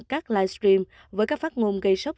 các livestream với các phát ngôn gây sốc